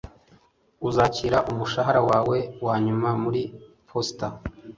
uzakira umushahara wawe wanyuma muri posita